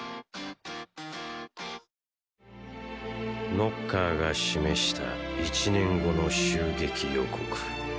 ノッカーが示した１年後の襲撃予告。